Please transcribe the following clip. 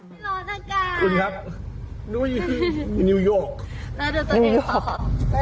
สวัสดีค่ะ